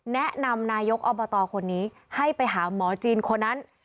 นายกอบตคนนี้ให้ไปหาหมอจีนคนนั้น